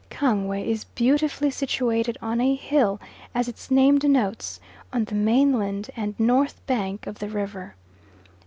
Kangwe is beautifully situated on a hill, as its name denotes, on the mainland and north bank of the river.